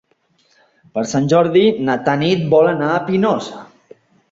Per Sant Jordi na Tanit vol anar a Pinós.